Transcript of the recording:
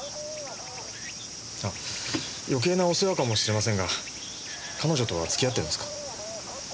あ余計なお世話かもしれませんが彼女とは付き合ってるんですか？